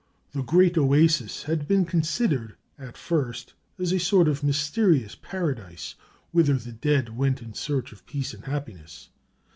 The Great Oasis had been considered at first as a sort of mysterious paradise, whither the dead went in search of peace and happiness.